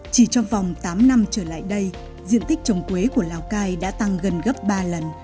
chỉ trong vòng tám năm trở lại đây diện tích trồng quế của lào cai đã tăng gần gấp ba lần